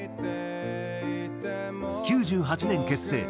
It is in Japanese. ９８年結成。